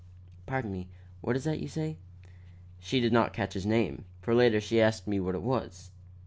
"Pardon me, what is that you say?" "She did not catch his name, for later she asked me what it was."